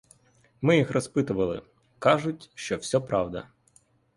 Ми їх розпитували, кажуть, що всьо правда.